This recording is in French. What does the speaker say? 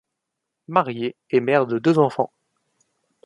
Mariée et mère de deux enfants.